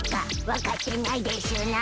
分かってないでしゅな。